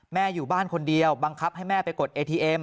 อยู่บ้านคนเดียวบังคับให้แม่ไปกดเอทีเอ็ม